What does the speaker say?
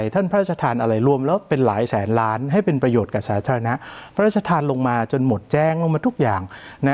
พระราชทานอะไรรวมแล้วเป็นหลายแสนล้านให้เป็นประโยชน์กับสาธารณะพระราชทานลงมาจนหมดแจ้งลงมาทุกอย่าง